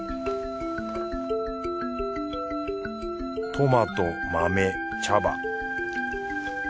トマト豆茶葉。